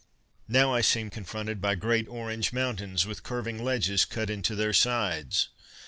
Now I seem confronted by great orange mountains with curving ledges cut into their sides.